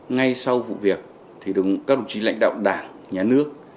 ngay sau vụ việc thì các đồng chí lãnh đạo đảng nhà nước